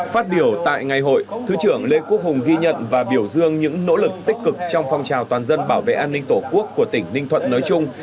phát biểu tại ngày hội thứ trưởng lê quốc hùng ghi nhận và biểu dương những nỗ lực tích cực trong phong trào toàn dân bảo vệ an ninh tổ quốc của tỉnh ninh thuận nói chung